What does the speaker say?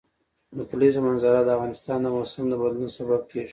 د کلیزو منظره د افغانستان د موسم د بدلون سبب کېږي.